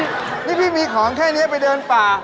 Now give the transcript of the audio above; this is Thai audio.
นี่พี่มีของแค่นี้ไปเดินป่า